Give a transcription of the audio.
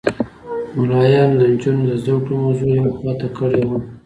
ملایانو د نجونو د زده کړو موضوع یوه خوا ته کړې وه.